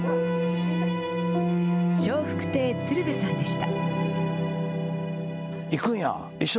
笑福亭鶴瓶さんでした。